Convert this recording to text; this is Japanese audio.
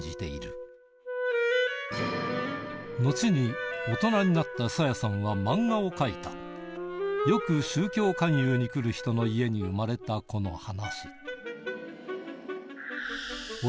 彼女の後に大人になったさやさんは漫画をかいた『よく宗教勧誘に来る人の家に生まれた子の話』